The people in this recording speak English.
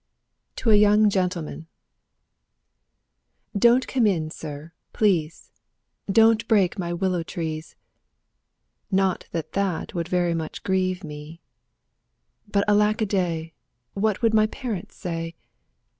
TO A YOUNG GENTLEMAN Don't come in, sir, please! Don't break my willow trees! Not that that would very much grieve me ; But alack a day ! what would my parents say?